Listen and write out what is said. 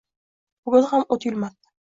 bugun ham oʼt yulmabdi!